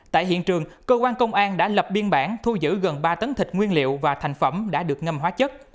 tại hiện trường cơ quan công an đã lập biên bản thu giữ gần ba tấn thịt nguyên liệu và thành phẩm đã được ngâm hóa chất